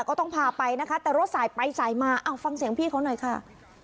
ก็ต้องพาไปนะคะแต่รถสายไปสายมาเอาฟังเสียงพี่เขาหน่อยค่ะ